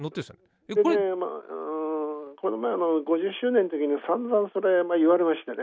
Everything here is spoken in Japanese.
それでこの前の５０周年の時にさんざんそれ言われましてね。